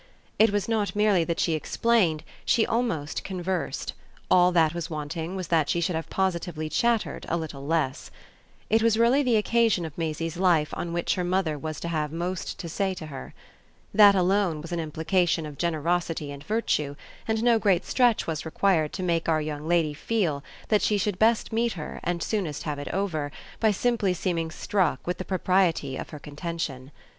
It was not merely that she explained; she almost conversed; all that was wanting was that she should have positively chattered a little less. It was really the occasion of Maisie's life on which her mother was to have most to say to her. That alone was an implication of generosity and virtue, and no great stretch was required to make our young lady feel that she should best meet her and soonest have it over by simply seeming struck with the propriety of her contention.